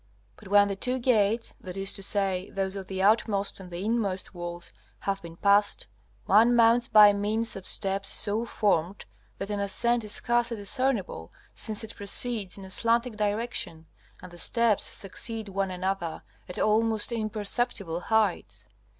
But when the two gates, that is to say, those of the outmost and the inmost walls, have been passed, one mounts by means of steps so formed that an ascent is scarcely discernible, since it proceeds in a slanting direction, and the steps succeed one another at almost imperceptible heights.